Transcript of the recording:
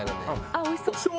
あっおいしそう！